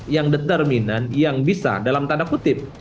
yang determinan yang bisa dalam tanda kutip